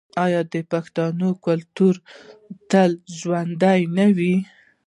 آیا د پښتنو کلتور به تل ژوندی نه وي؟